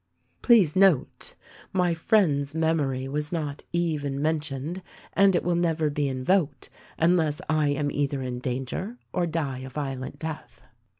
"Please note ! My friend's memory was not even men tioned, and it will never be invoked unless I am either in danger or die a violent death.